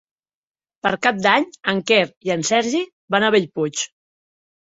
Per Cap d'Any en Quer i en Sergi van a Bellpuig.